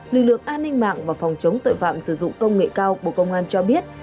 lực lượng an ninh mạng và phòng chống tội phạm sử dụng công nghệ cao bộ công an cho biết